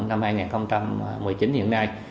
năm hai nghìn một mươi chín hiện nay